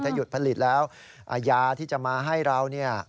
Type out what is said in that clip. ถ้าหยุดผลิตแล้วยาที่จะมาให้เรา